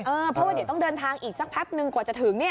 เพราะว่าเดี๋ยวต้องเดินทางอีกสักพักนึงกว่าจะถึง